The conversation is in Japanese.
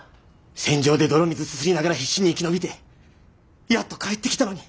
戦場で泥水すすりながら必死に生き延びてやっと帰ってきたのに。